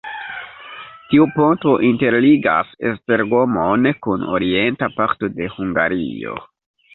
Tiu ponto interligas Esztergom-on kun orienta parto de Hungario.